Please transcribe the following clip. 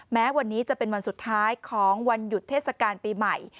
แม้วันนี้จะเป็นวันสุดท้ายของวันหยุดเทศกาลปีใหม่